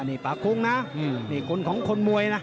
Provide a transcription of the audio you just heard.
นี่ปากุ้งน่ะอืมนี่คนของคนมวยน่ะอ่า